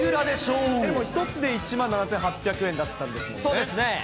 でも１つで１万７８００円だったんですもんね。